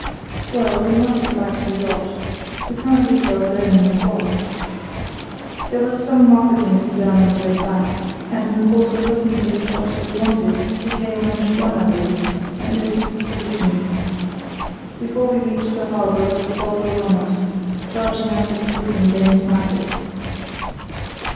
"Well, we must get back to the yacht. We can't leave her alone in the fog." There was some marketing to be done on the way back, and in the course of looking for the shops we wanted we came on the Schwannallée and noted its position. Before we reached the harbour the fog was on us, charging up the streets in dense masses.